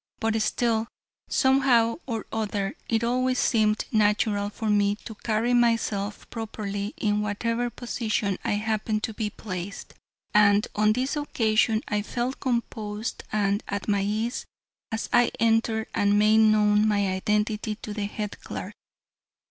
But still, somehow or other, it always seemed natural for me to carry myself properly in whatever position I happened to be placed, and on this occasion I felt composed and at my ease as I entered and made known my identity to the head clerk.